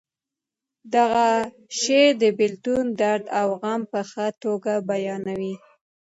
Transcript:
د هغه شعر د بیلتون درد او غم په ښه توګه بیانوي